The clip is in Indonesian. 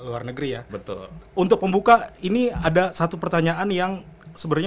luar negeri ya betul untuk membuka ini ada satu pertanyaan yang sebenarnya